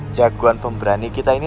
jaguan pemberani kita ini